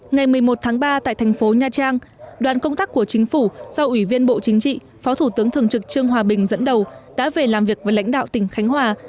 ngày một mươi một tháng ba tại thành phố nha trang đoàn công tác của chính phủ do ủy viên bộ chính trị phó thủ tướng thường trực trương hòa bình dẫn đầu đã về làm việc với lãnh đạo tỉnh khánh hòa